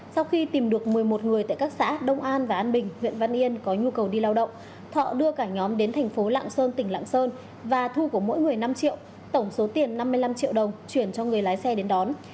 sau khi tìm được một mươi một người tại các xã đông an và an bình huyện văn yên có nhu cầu đi lao động thọ đưa cả nhóm đến thành phố lạng sơn tỉnh lạng sơn và thu của mỗi người năm triệu tổng số tiền năm mươi năm triệu đồng chuyển cho người lái xe đến đón